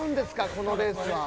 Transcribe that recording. このレースは。